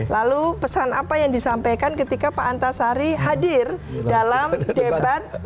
lalu pesan apa yang disampaikan ketika pak antasari hadir dalam debat